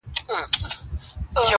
• ددې ښكلا.